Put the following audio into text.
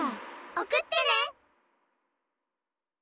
おくってね！